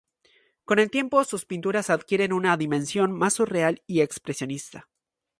Con el tiempo sus pinturas adquieren una dimensión mas surreal y expresionista.